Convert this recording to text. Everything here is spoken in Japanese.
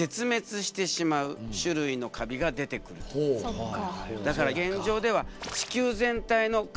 そっか。